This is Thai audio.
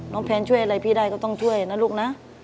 แพนช่วยอะไรพี่ได้ก็ต้องช่วยนะลูกนะ